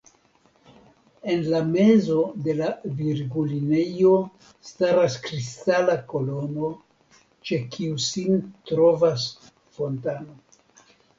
En la mezo de la virgulinejo staras kristala kolono, ĉe kiu sin trovas fontano.